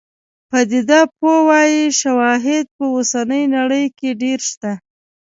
پدیده پوه وايي شواهد په اوسنۍ نړۍ کې ډېر شته.